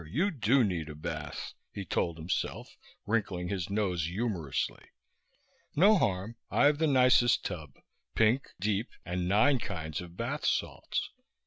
You do need a bath," he told himself, wrinkling his nose humorously. "No harm. I've the nicest tub pink, deep and nine kinds of bath salts.